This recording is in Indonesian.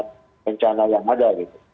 rencana yang ada gitu